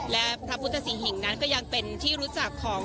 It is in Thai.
และพระพุทธศรีหิงนั้นก็ยังเป็นที่รู้จักของ